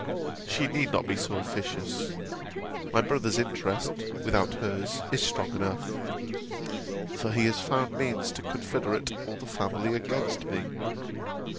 She need not be so officious: my brother's interest, without hers, is strong enough; for he has found means to confederate all the family against me.